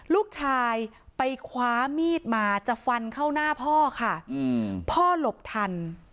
ลูกชายไปคว้ามีดมาจะฟันเข้าหน้าพ่อค่ะพ่อหลบทัน